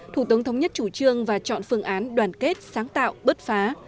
thủ tướng thống nhất chủ trương và chọn phương án đoàn kết sáng tạo bớt phá